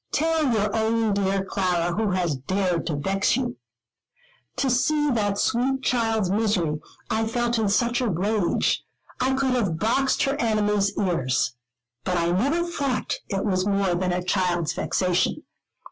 Tell your own dear Clara who has dared to vex you." To see that sweet child's misery, I felt in such a rage, I could have boxed her enemy's ears. But I never thought that it was more than a child's vexation.